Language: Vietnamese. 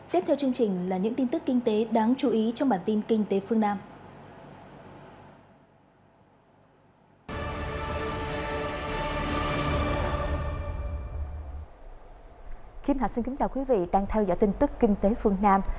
tiếp theo chương trình là những tin tức kinh tế đáng chú ý trong bản tin kinh tế phương nam